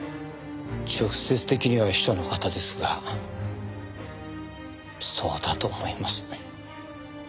直接的には秘書の方ですがそうだと思います。